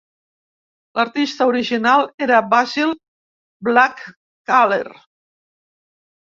L'artista original era Basil Blackaller.